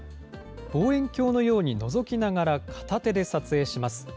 望遠鏡のようにのぞきながら片手で撮影します。